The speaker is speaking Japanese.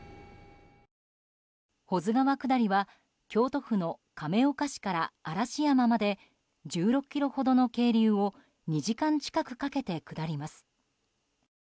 保津川下りは京都府の亀岡市から嵐山まで１６ｋｍほどの渓流を２時間近くかけて下ります。